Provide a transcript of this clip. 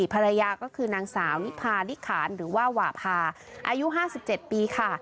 ภรรยาก็คือนางสาวนิพาลิขานหรือว่าหว่าพาอายุ๕๗ปีค่ะ